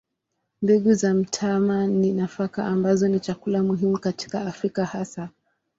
Mbegu za mtama ni nafaka ambazo ni chakula muhimu katika Afrika hasa.